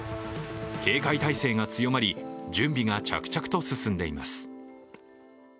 警戒態勢が強まり、準備が着々と進んでいます。